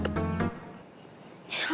ya udah yaudah